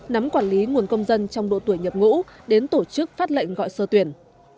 nắm quản lý nguồn công dân trong độ tuổi nhập ngũ đến tổ chức phát lệnh gọi sơ tuyển